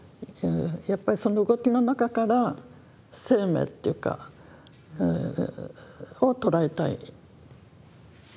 やっぱりその動きの中から生命っていうかを捉えたい。